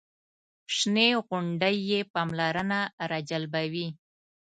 شنې غونډۍ یې پاملرنه راجلبوي.